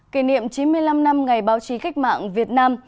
kỷ niệm chín mươi năm năm ngày báo chí cách mạng việt nam